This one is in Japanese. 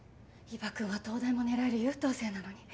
伊庭くんは東大も狙える優等生なのに。